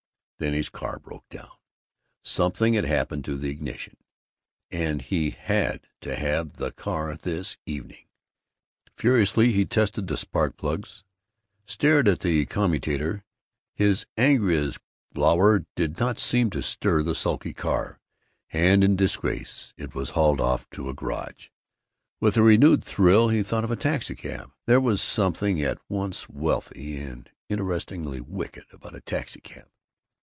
Then his car broke down; something had happened to the ignition. And he had to have the car this evening! Furiously he tested the spark plugs, stared at the commutator. His angriest glower did not seem to stir the sulky car, and in disgrace it was hauled off to a garage. With a renewed thrill he thought of a taxicab. There was something at once wealthy and interestingly wicked about a taxicab.